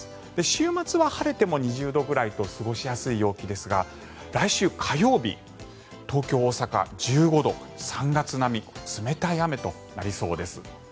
週末は晴れても２０度ぐらいと過ごしやすい陽気ですが来週火曜日東京、大阪１５度３月並み冷たい雨となりそうです。